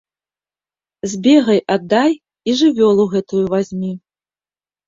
Збегай, аддай і жывёлу гэтую вазьмі.